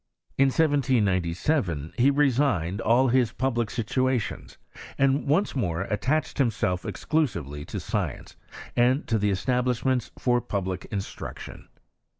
In 1797 he resigned all his public situations, and once more attached himself exclusively to science and to the establishments for public instruction.